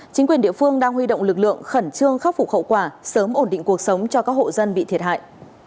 giúp phục khẩu quả sớm ổn định cuộc sống cho các hộ dân bị thiệt hại